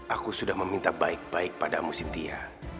aku sudah meminta baik baik padamu sintia